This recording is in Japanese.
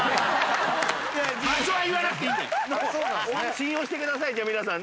信用してください皆さん。